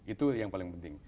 itu yang paling penting